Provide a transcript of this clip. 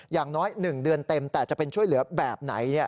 อย่างน้อย๑เดือนเต็มแต่จะเป็นช่วยเหลือแบบไหน